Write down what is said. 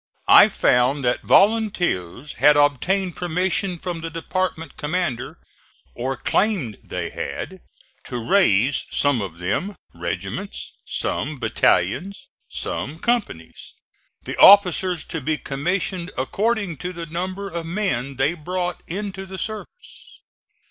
I found that volunteers had obtained permission from the department commander, or claimed they had, to raise, some of them, regiments; some battalions; some companies the officers to be commissioned according to the number of men they brought into the service.